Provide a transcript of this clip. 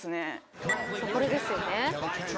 これですよね。